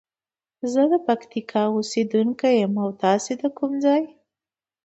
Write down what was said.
زه د پکتیکا اوسیدونکی یم او تاسو د کوم ځاي؟